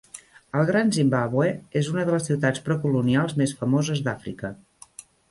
El Gran Zimbàbue és una de les ciutats precolonials més famoses d'Àfrica.